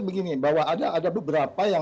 begini bahwa ada beberapa